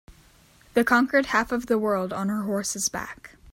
The conquered half of the world on her horse's back.